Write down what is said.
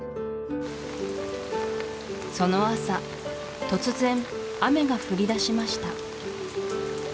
その朝突然雨が降りだしました